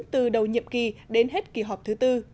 từ đầu nhiệm kỳ đến hết kỳ họp thứ tư